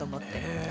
へえ。